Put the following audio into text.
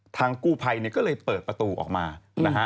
ทางกู้ภัยเนี่ยก็เลยเปิดประตูออกมานะฮะ